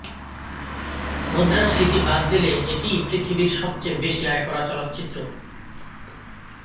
মুদ্রাস্ফীতি বাদ দিলে এটিই পৃথিবীর সবচেয়ে বেশি আয় করা চলচ্চিত্র।